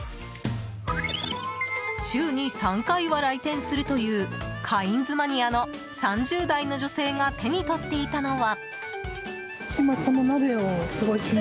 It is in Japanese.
週に３回は来店するというカインズマニアの３０代の女性が手に取っていたのは。